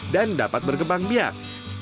dan dapat bergembang biak